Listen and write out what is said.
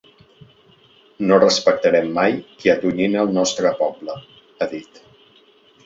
No respectarem mai qui atonyina el nostre poble, ha dit.